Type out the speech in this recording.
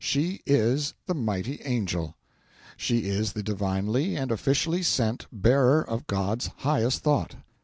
She is the mighty angel; she is the divinely and officially sent bearer of God's highest thought.